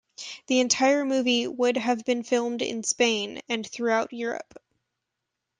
The entire movie would have been filmed in Spain and throughout Europe.